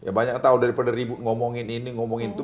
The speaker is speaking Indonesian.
banyak tahu daripada ribut ngomongin ini ngomongin itu